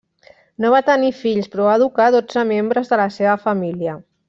No va tenir fills, però va educar dotze membres de la seva família.